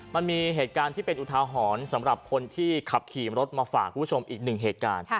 มันมีเหตุการณ์ที่เป็นอุทาหรณ์สำหรับคนที่ขับขี่รถมาฝากคุณผู้ชมอีกหนึ่งเหตุการณ์